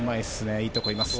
いいところにいますね。